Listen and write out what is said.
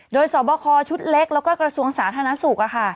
โดยสอบคอชุดเล็กแล้วก็กระทรวงสาธารณสุข